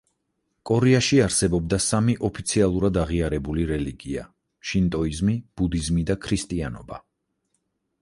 კორეაში არსებობდა სამი ოფიციალურად აღიარებული რელიგია: შინტოიზმი, ბუდიზმი და ქრისტიანობა.